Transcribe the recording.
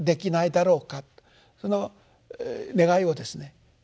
その願いをですね